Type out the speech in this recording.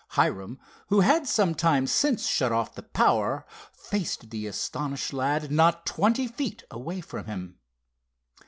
Hiram who had some time since shut off the power, faced the astonished lad not twenty feet away from him.